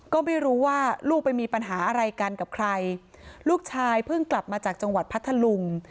ก็ไม่รู้ว่าลูกไปมีปัญหาอะไรกันกับใครลูกชายเพิ่งกลับมาจากจังหวัดพัทธลุง